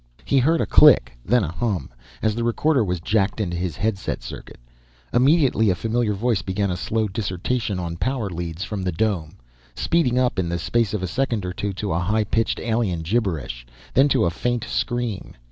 He heard a click, then a hum, as the recorder was jacked into his headset circuit. Immediately, a familiar voice began a slow dissertation on power leads from the dome, speeded up in the space of a second or two to a high pitched alien gibberish, then to a faint scream.